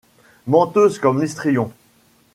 Menteuse comme l'histrion